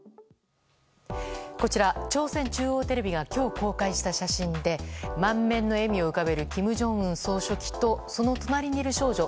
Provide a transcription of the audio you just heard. こちら、朝鮮中央テレビが今日公開した写真で満面の笑みを浮かべる金正恩総書記とその隣にいる少女。